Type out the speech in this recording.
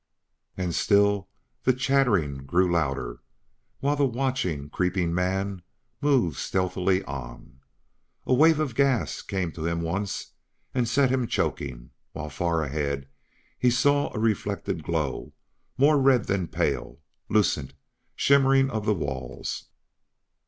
And still the chattering grew louder, while the watching, creeping man moved stealthily on. A wave of gas came to him once and set him choking, while far ahead he saw a reflected glow more red than the pale, lucent shimmering of the walls.